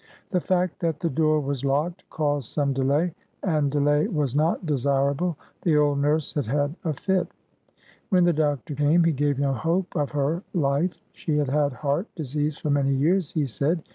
The fact that the door was locked caused some delay, and delay was not desirable. The old nurse had had "a fit." When the doctor came, he gave no hope of her life. She had had heart disease for many years, he said.